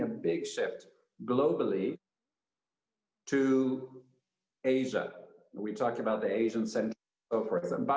dan digitalisasi mobilitas dan sebagainya